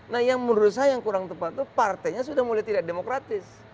nah yang menurut saya yang kurang tepat itu partainya sudah mulai tidak demokratis